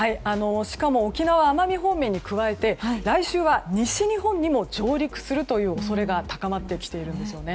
しかも沖縄、奄美方面に加えて来週は西日本にも上陸するという恐れが高まってきているんです。